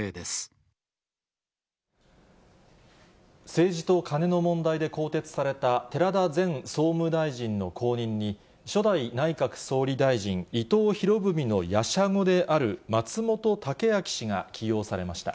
政治とカネの問題で更迭された寺田前総務大臣の後任に、初代内閣総理大臣伊藤博文のやしゃごである松本剛明氏が起用されました。